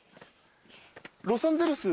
ロサンゼルス？